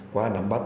qua nắm bắt